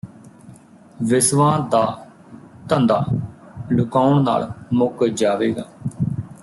ਵਿਸਵਾਂ ਦਾ ਧੰਦਾਂ ਲੁੱਕਾਉਣ ਨਾਲ ਮੁੱਕ ਜਾਵੇਗਾ